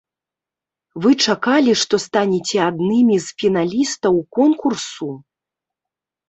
Вы чакалі, што станеце аднымі з фіналістаў конкурсу?